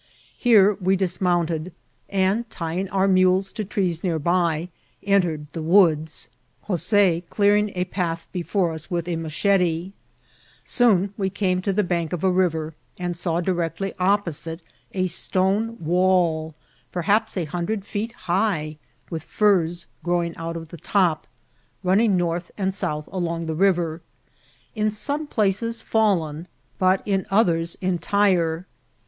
Here we dismounted, and, tying our mules to trees near by, entered the woods, Jose clearing a path before us with a machete ; soon we eame to the bank ofa river, and saw directly opposite a stone wall, perhaps a hundred feet high, with furze growing out of the top, running north and south along the river, in some places fallen, but io 96 INCIDBNT8 OP TEATSL. Others entire.